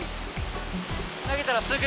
投げたらすぐ。